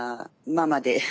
ママで。